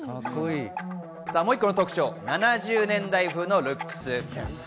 もう一個の特徴、７０年代風のルックス。